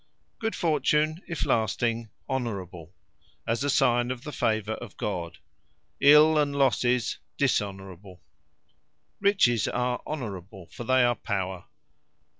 Good fortune (if lasting,) Honourable; as a signe of the favour of God. Ill fortune, and losses, Dishonourable. Riches, are Honourable; for they are Power.